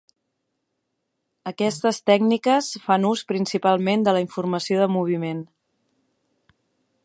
Aquestes tècniques fan ús principalment de la informació de moviment.